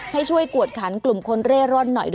ให้ช่วยกวดขันกลุ่มคนเร่ร่อนหน่อย